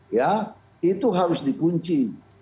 ya itu harus dikunci